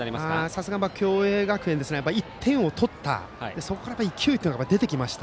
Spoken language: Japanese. さすが共栄学園は１点を取ったそこから勢いが出てきました。